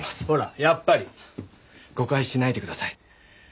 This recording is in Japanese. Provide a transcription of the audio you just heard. ほらやっぱり！誤解しないでください。